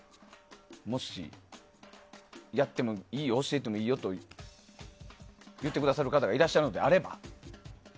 もし、やってもいい教えてもいいよと言ってくださる方がいらっしゃるのであれば。